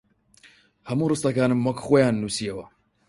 هەموو ڕستەکانم وەک خۆیان نووسییەوە